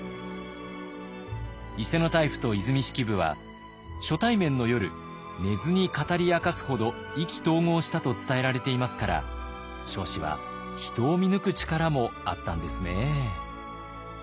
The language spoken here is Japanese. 伊勢大輔と和泉式部は初対面の夜寝ずに語り明かすほど意気投合したと伝えられていますから彰子は人を見抜く力もあったんですね。